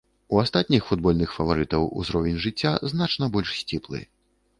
У астатніх футбольных фаварытаў узровень жыцця значна больш сціплы.